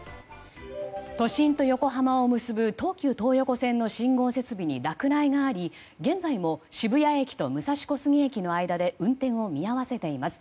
都心と横浜を結ぶ東急東横線の信号設備に落雷があり、現在も渋谷駅と武蔵小杉駅の間で運転を見合わせています。